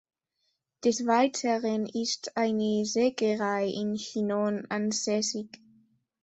Des Weiteren ist eine Sägerei in Chinon ansässig.